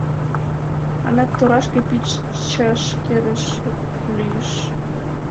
Адак торашке, пич чашкерыш, лӱйыш…